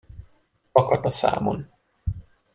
Lakat a számon.